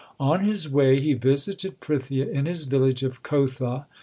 On his way he visited Prithia in his village of Kotha.